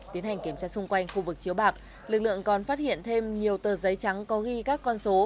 tiến hành kiểm tra xung quanh khu vực chiếu bạc lực lượng còn phát hiện thêm nhiều tờ giấy trắng có ghi các con số